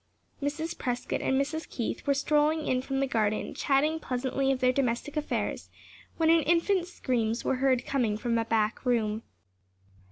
Mrs. Prescott and Mrs. Keith were strolling in from the garden, chatting pleasantly of their domestic affairs, when an infant's screams were heard coming from a back room.